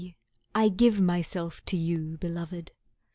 I give myself to you, Beloved!